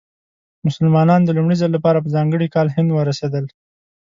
مسلمانان د لومړي ځل لپاره په ځانګړي کال هند ورسېدل.